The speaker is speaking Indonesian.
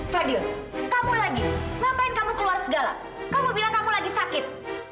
fadil kamu lagi ngapain kamu keluar segala kamu mau bilang kamu lagi sakit